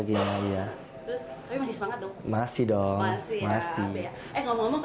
di sini ada beberapa tempat tidur yang sangat berharga